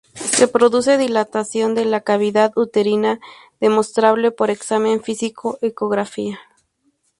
Se produce dilatación de la cavidad uterina, demostrable por examen físico y ecografía.